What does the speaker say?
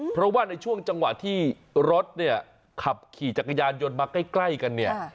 เพราะว่าในช่วงจังหวะที่รถเนี่ยขับขี่จักรยานยนต์มาใกล้กันเนี่ย